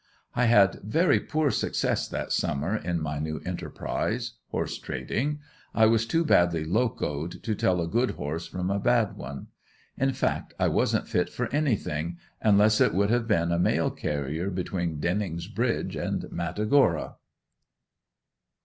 I had very poor success that summer in my new enterprise, horse trading. I was too badly "locoed" to tell a good horse from a bad one; in fact I wasn't fit for anything, unless it would have been a Mail carrier between "Denning's Bridge" and Matagorda.